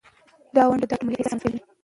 دا ونډه د ګډ مسؤلیت احساس رامینځته کوي.